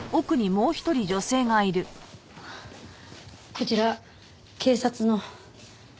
こちら警察の。